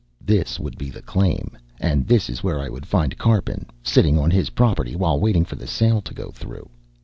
This would be the claim, and this is where I would find Karpin, sitting on his property while waiting for the sale to go through.